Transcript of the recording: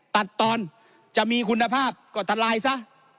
ตัดตอนจะมีคุณภาพก็ตลายซะ